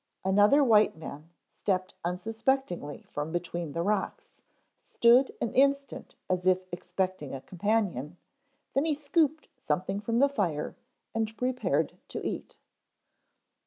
Another white man stepped unsuspectingly from between the rocks, stood an instant as if expecting a companion, then he scooped something from the fire and prepared to eat.